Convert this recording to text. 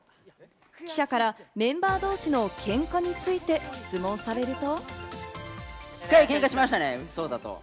記者からメンバー同士のけんかについて、質問されると。